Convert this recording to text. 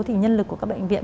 thì nhân lực của các bệnh viện